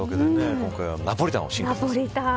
今回はナポリタンを進化させました。